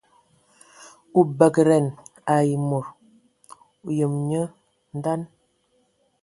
O bagǝdan ai mod, o yəməŋ nye ndan.